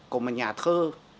của một nhà thơ